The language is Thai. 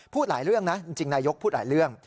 พูดหลายเรื่องนะจริงนายกพูดหลายเรื่อง